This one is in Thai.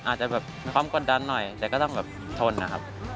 อาจจะแบบความกดดันหน่อยแต่ก็ต้องแบบทนนะครับ